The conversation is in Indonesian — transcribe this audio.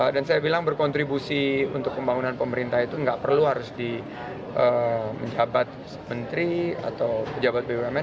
dan saya bilang berkontribusi untuk pembangunan pemerintah itu nggak perlu harus di jabat menteri atau pejabat bumn